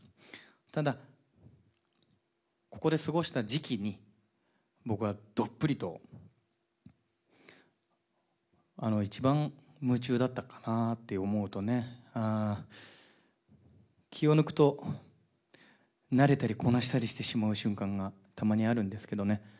ただここで過ごした時期に僕はどっぷりと一番夢中だったかなって思うとね気を抜くと慣れたりこなしたりしてしまう瞬間がたまにあるんですけどね